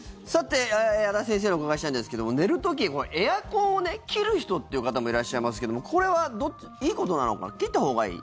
安達先生にお伺いしたいんですけども寝る時エアコンを切るっていう方もいらっしゃいますけどもこれはいいことなのか切ったほうがいい？